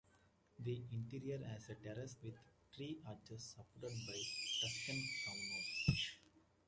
The interior has a terrace with three arches supported by Tuscan columns.